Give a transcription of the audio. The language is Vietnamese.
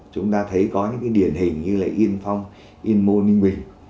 chúng ta thấy có những điển hình như yên phong yên mô ninh bình